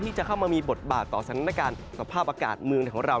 ที่จะเข้ามามีบทบาทต่อสถานการณ์สภาพอากาศเมืองไทยของเรา